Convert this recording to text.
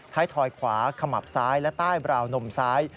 ทอยขวาขมับซ้ายและใต้บราวนมซ้าย